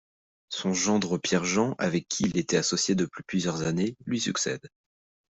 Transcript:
Son gendre Pierre Jean, avec qui il était associé depuis plusieurs années, lui succède.